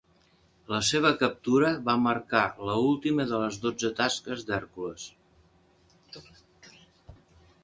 La seva captura va marcar la última de les dotze tasques d'Hèrcules.